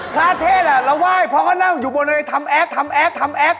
พระเทศเราไหว้พอก็นั่งอยู่บนไหนทำแอคมาก